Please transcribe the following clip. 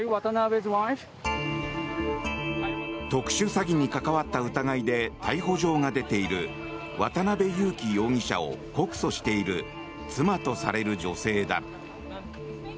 特殊詐欺に関わった疑いで逮捕状が出ている渡邉優樹容疑者を告訴している妻とされる女性だ。